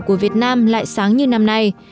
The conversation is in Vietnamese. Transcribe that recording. của việt nam lại sáng như năm nay